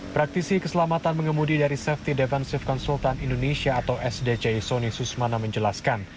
praktisi keselamatan pengemudi dari safety defensive consultant indonesia atau sdci sonny susmana menjelaskan